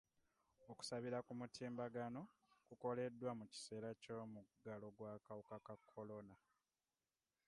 Okusabira ku mutimbagano kukoleddwa mu kiseera ky'omuggalo gw'akawuka ka kolona.